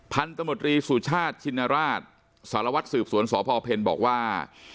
พันธมตรีสุชาติชินราชสารวัตรสืบสวนสพเพลบอกว่า